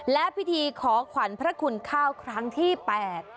และพิธีขอขวัญพระคุณข้าวครั้งที่แปด